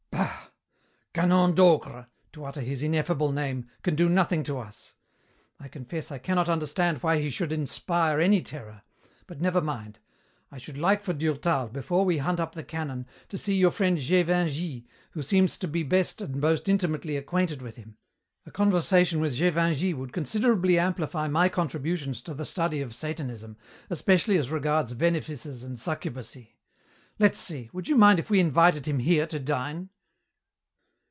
"Bah! Canon Docre to utter his ineffable name can do nothing to us. I confess I cannot understand why he should inspire any terror. But never mind. I should like for Durtal, before we hunt up the canon, to see your friend Gévingey, who seems to be best and most intimately acquainted with him. A conversation with Gévingey would considerably amplify my contributions to the study of Satanism, especially as regards venefices and succubacy. Let's see. Would you mind if we invited him here to dine?"